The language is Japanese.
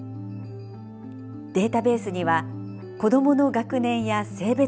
データベースには子どもの学年や性別などの属性。